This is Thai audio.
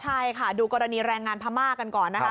ใช่ค่ะดูกรณีแรงงานพม่ากันก่อนนะคะ